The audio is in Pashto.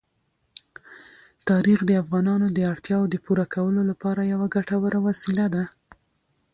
تاریخ د افغانانو د اړتیاوو د پوره کولو لپاره یوه ګټوره وسیله ده.